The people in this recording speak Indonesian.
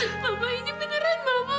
kamila kangen banget sama makan